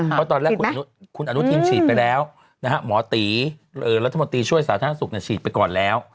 เพราะตอนแรกคุณอนุทินฉีดไปแล้วหมอตีรัฐมนตรีช่วยสาธารณสุขฉีดไปก่อนแล้ว